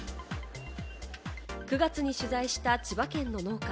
９月に取材した千葉県の農家。